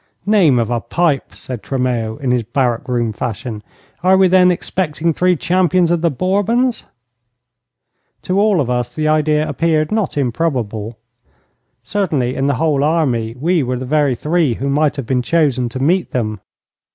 'Name of a pipe!' said Tremeau, in his barrack room fashion. 'Are we then expecting three champions of the Bourbons?' To all of us the idea appeared not improbable. Certainly in the whole army we were the very three who might have been chosen to meet them.